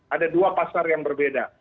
ada dua pasar yang berbeda